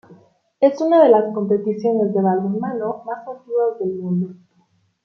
Es una de las competiciones de balonmano más antiguas del mundo.